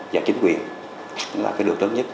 và chính quyền là cái điều tốt nhất